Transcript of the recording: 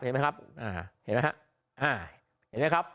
เห็นไหมครับ